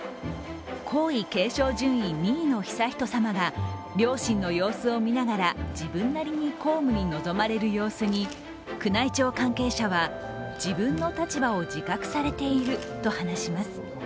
皇位継承順位２位の悠仁さまが両親の様子を見ながら自分なりに公務に臨まれる様子に宮内庁関係者は、自分の立場を自覚されていると話します。